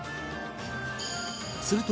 すると